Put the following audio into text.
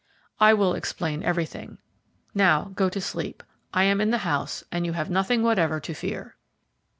"I will explain everything. Now go to sleep. I am in the house, and you have nothing whatever to fear."